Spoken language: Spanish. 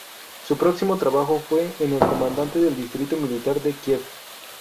Su próximo trabajo fue el de Comandante del Distrito Militar de Kiev.